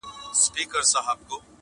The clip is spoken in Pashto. • نه ځنګل نه شنه واښه نه شنه بېدیا وه -